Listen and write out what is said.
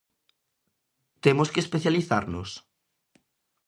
Temos que especializarnos?